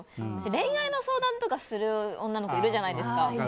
恋愛の相談とかする女の子いるじゃないですか。